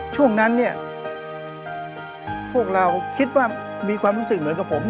ช่วงนั้นพวกเราคิดว่ามีความรู้สึกเหมือนกับผม